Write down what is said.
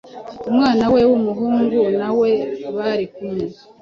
Umwana we w’umuhungu na we bari kumwe